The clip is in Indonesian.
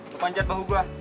lo panjat bahu gue